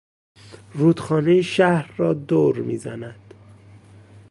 رودخانه شهر را دور میزند.